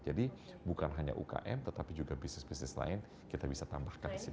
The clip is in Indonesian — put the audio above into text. jadi bukan hanya umkm tetapi juga bisnis bisnis lain kita bisa tambahkan di situ